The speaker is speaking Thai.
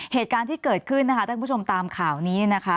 เหตุการณ์ที่เกิดขึ้นท่านผู้ชมตามข่าวนี้